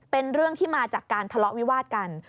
เป็นเรื่องที่มาจากการทะเลาะวิวาดกัน